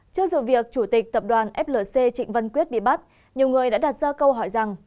trước sự việc chủ tịch tập đoàn flc trịnh văn quyết bị bắt nhiều người đã đặt ra câu hỏi rằng